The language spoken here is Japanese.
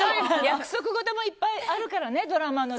約束事もいっぱいあるからねドラマは。